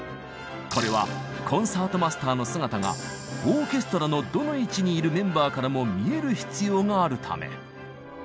これはコンサートマスターの姿がオーケストラのどの位置にいるメンバーからも見える必要があるため。